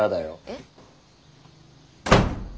えっ？